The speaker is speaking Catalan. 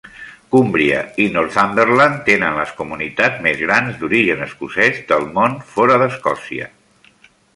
Cúmbria i Northumberland tenen les comunitats més grans d'origen escocès del món fora d'Escòcia.